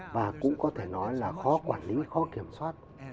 và cũng có thể nói là khó quản lý khó kiểm soát